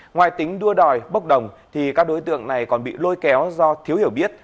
ngoài tính đuôi đòi bốc đồng thì các đối tượng này còn bị lôi kéo do thiếu hiểu biết